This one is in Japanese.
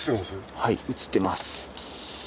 はい映ってます。